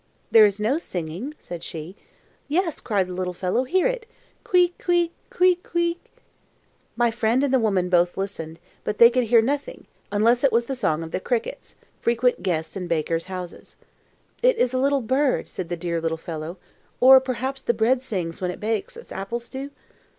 "There is no singing," said she. "Yes!" cried the little fellow. "Hear it! Queek, queek, queek, queek!" My friend and the woman both listened, but they could hear nothing, unless it was the song of the crickets, frequent guests in bakers houses. "It is a little bird," said the dear little fellow; "or perhaps the bread sings when it bakes, as apples do?"